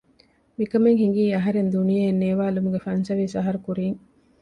މިކަމެއް ހިނގީ އަހަރެން ދުނިޔެއަށް ނޭވާލުމުގެ ފަންސަވީސް އަހަރު ކުރީން